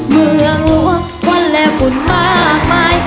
เมืองหลวงวันและฝุ่นมากมาย